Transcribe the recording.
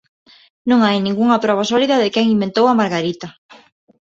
Non hai ningunha proba sólida de quen "inventou" a margarita.